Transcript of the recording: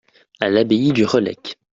À l'abbaye du Relecq.